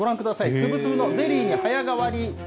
つぶつぶのゼリーに早変わり。